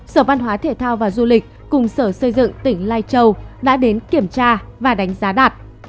sở văn hóa thể thao và du lịch cùng sở xây dựng tỉnh lai châu đã đến kiểm tra và đánh giá đạt